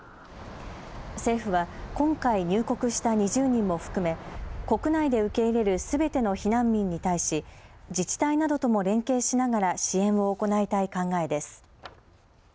政府は今回、入国した２０人も含め国内で受け入れるすべての避難民に対し自治体などとも連携しながら支援を行いたい考えです。